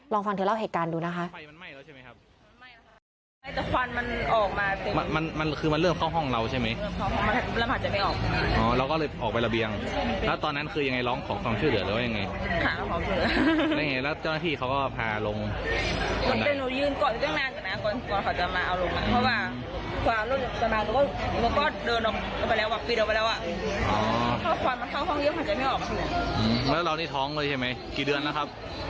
ลองฟังเธอเล่าเหตุการณ์ดูนะคะ